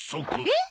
えっ！？